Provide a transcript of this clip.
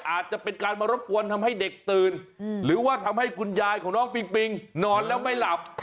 อาจจะเป็นการมารบกวนทำให้เด็กตื่นหรือว่าทำให้คุณยายของน้องปิงปิงนอนแล้วไม่หลับ